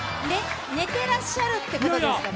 寝てらっしゃるってことですかね。